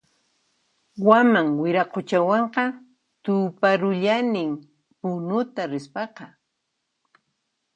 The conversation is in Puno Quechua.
Waman Wiraquchawanqa tuparullanin Punuta rispaqa